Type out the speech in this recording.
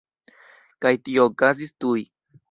Kaj tio okazis tuj.